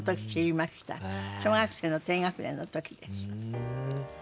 小学生の低学年の時です。